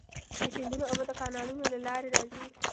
د سیندونو اوبه د کانالونو له لارې راځي.